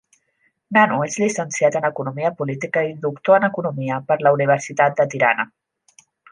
Nano és llicenciat en economia política i doctor en economia per la Universitat de Tirana.